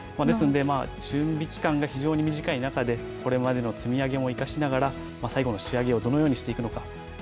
ですので、準備期間が非常に短い中で、これまでの積み上げも生かしながら、最後の仕上げをどのようにしていくのか。